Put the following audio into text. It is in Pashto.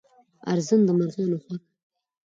ارزن د مرغانو خوراک دی.